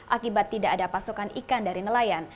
akibat tidak ada pasokan ikan dari nelayan